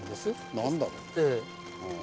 何だろう？